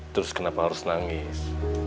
terus kenapa harus nangis